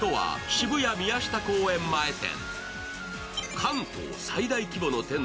渋谷宮下公園前店。